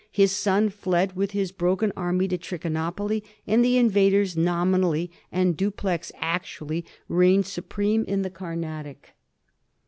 His son fled with his broken army to Trichinopoly, and the invaders nominally, and Dupleix actually, reigned su preme in the Carnatic.